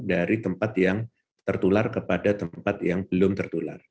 dari tempat yang tertular kepada tempat yang belum tertular